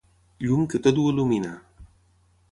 Llum que tot ho il·lumina.